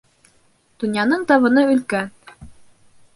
Донъяның табыны өлкән.